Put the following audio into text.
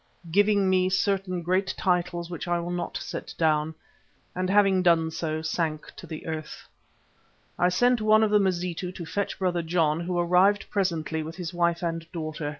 _ giving me certain great titles which I will not set down, and having done so sank to the earth. I sent one of the Mazitu to fetch Brother John, who arrived presently with his wife and daughter.